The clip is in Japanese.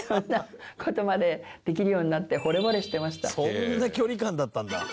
「そんな距離感だったんだ」